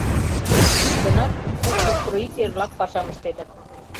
йӱд гынат, тушто строитель-влак пашам ыштеныт